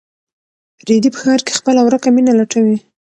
رېدی په ښار کې خپله ورکه مینه لټوي.